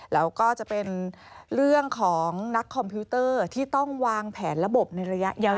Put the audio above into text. แล้วก็จะเป็นเรื่องของนักคอมพิวเตอร์ที่ต้องวางแผนระบบในระยะยาว